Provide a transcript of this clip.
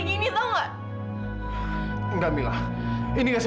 minta ada yang mau bisa